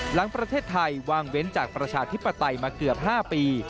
หลังประเทศไทยวางเว้นจากประชาธิปไตยมาเกือบ๕ปี